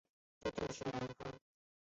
这就是容庚。